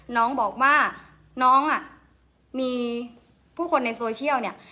น้องบอกว่าน้องอ่ะมีผู้คนในโซเชียลเนี่ย